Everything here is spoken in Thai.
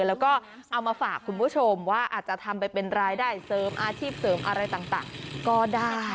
แล้วก็เอามาฝากคุณผู้ชมว่าอาจจะทำไปเป็นรายได้เสริมอาชีพเสริมอะไรต่างก็ได้